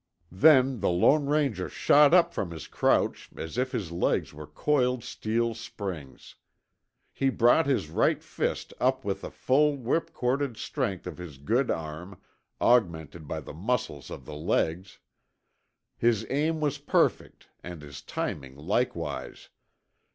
Then the Lone Ranger shot up from his crouch as if his legs were coiled steel springs. He brought his right fist up with the full whipcorded strength of his good arm, augmented by the muscles of the legs. His aim was perfect and his timing likewise.